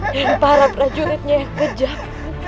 dan para prajuritnya yang kejam